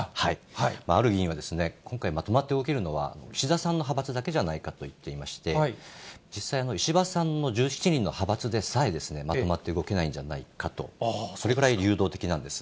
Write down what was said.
ある議員は、今回まとまって動けるのは、岸田さんの派閥だけじゃないかと言っていまして、実際、石破さんの１７人の派閥でさえ、まとまって動けないんじゃないかと、それぐらい流動的なんです。